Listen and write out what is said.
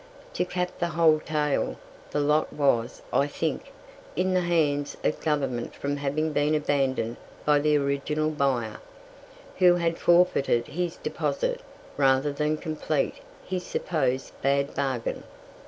To cap the whole tale, the lot was, I think, in the hands of Government from having been abandoned by the original buyer, who had forfeited his deposit rather than complete his supposed bad bargain.